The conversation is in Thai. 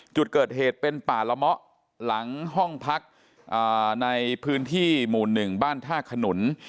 จุดเกิดเหตุเป็นป่าละเมาะหลังห้องพักในพื้นที่หมู่๑บ้านท่าขนุน